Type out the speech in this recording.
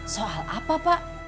soal apa pak